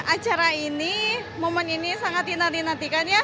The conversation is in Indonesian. acara ini momen ini sangat dinantikan ya